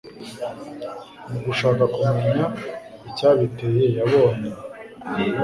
mu gushaka kumenya icyabiteye, yabonye